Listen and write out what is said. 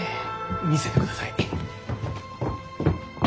見せてください！